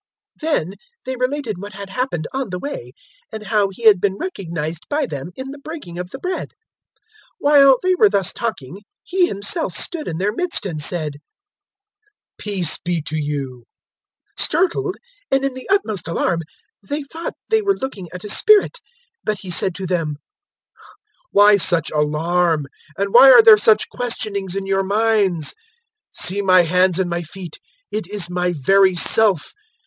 024:035 Then they related what had happened on the way, and how He had been recognized by them in the breaking of the bread. 024:036 While they were thus talking, He Himself stood in their midst and said, "Peace be to you!" 024:037 Startled, and in the utmost alarm, they thought they were looking at a spirit; 024:038 but He said to them, "Why such alarm? And why are there such questionings in your minds? 024:039 See my hands and my feet it is my very self.